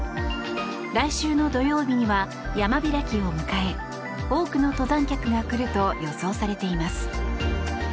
来週の土曜日には山開きを迎え多くの登山客が来ると予想されています。